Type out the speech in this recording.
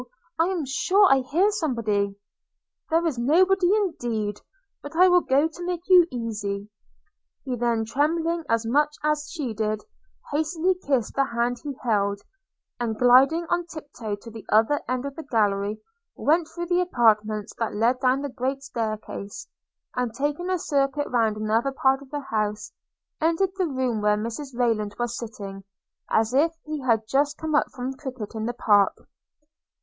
– I'm sure I hear somebody.' 'There is nobody, indeed; but I will go to make you easy.' – He then, trembling as much as she did, hastily kissed the hand he held; and gliding on tip toe to the other end of the gallery, went through the apartments that led down the great stair case, and taking a circuit round another part of the house, entered the room where Mrs Rayland was sitting, as if he had been just come from cricket in the park.